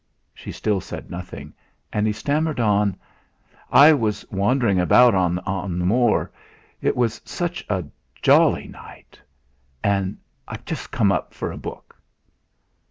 She still said nothing, and he stammered on: "I was wandering about on the moor; it was such a jolly night. I I've just come up for a book."